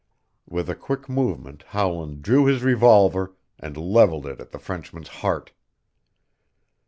With a quick movement Howland drew his revolver and leveled it at the Frenchman's heart.